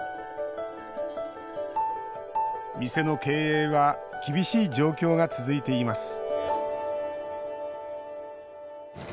店の経営は厳しい状況が続いています